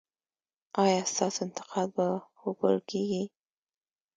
ایا ستاسو انتقاد به وپل کیږي؟